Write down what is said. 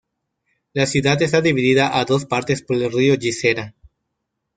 La ciudad está dividida a dos partes por el río Jizera.